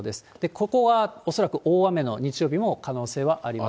ここが、恐らく大雨の、日曜日は可能性はあります。